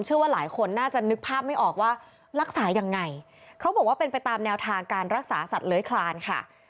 เชื่อว่าหลายคนน่าจะนึกภาพไม่ออกว่ารักษายังไงเขาบอกว่าเป็นไปตามแนวทางการรักษาสัตว์เลื้อยคลานค่ะ